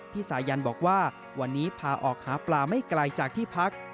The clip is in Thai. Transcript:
สายันบอกว่าวันนี้พาออกหาปลาไม่ไกลจากที่พัก